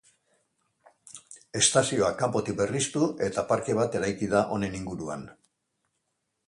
Estazioa kanpotik berriztu eta parke bat eraiki da honen inguruan.